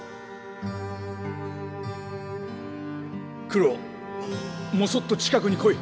九郎もそっと近くに来い。